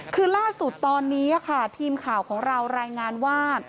คือล่าสุดตอนนี้ค่ะทีมข่าวของเรารายงานว่า